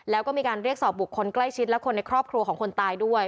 แล้วก็มีการเรียกสอบบุคคลใกล้ชิดและคนในครอบครัวของคนตายด้วย